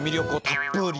「たっぷーり」。